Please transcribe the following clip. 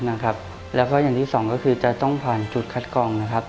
ก็คือส่วนที่๒ต้องผ่านจุดคัดกรอง